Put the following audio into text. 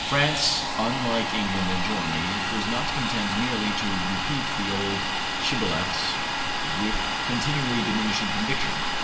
France, unlike England and Germany, was not content merely to repeat the old shibboleths with continually diminishing conviction.